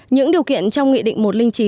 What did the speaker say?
những điều kiện trong nghị định một trăm linh chín